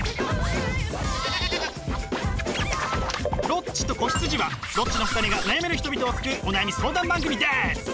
「ロッチと子羊」はロッチの２人が悩める人々を救うお悩み相談番組です！